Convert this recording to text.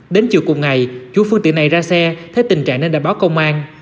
đến chiều cùng ngày chú phương tiễn này ra xe thấy tình trạng nên đã báo công an